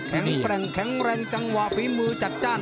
แข็งแกร่งแข็งแรงจังหวะฝีมือจัดจ้าน